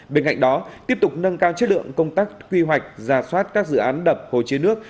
bên cạnh đó tiếp tục nâng cao chất lượng công tác quy hoạch giả soát các dự án đập hồ chứa nước